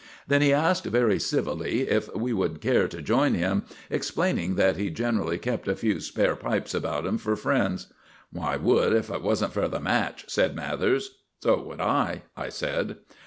Then he asked very civily if we would care to join him, explaining that he generally kept a few spare pipes about him for friends. "I would if it wasn't for the match," said Mathers. "So would I," I said.